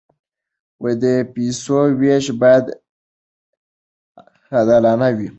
د پیسو وېش باید عادلانه وي.